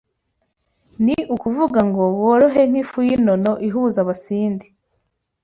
Ni ukuvuga ngo worohe nk’ifu y’inono ihuza Abasindi